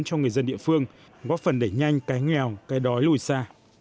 cho người dân địa phương góp phần đẩy nhanh cái nghèo cái đói lùi xa